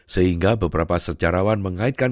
sehingga beberapa sejarawan mengaitkan